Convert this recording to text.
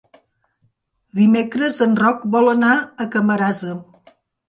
Dimecres en Roc vol anar a Camarasa.